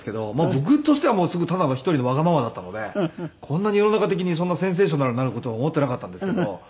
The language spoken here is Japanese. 僕としてはすごいただの１人のわがままだったのでこんなに世の中的にそんなセンセーショナルになる事とは思っていなかったんですけど。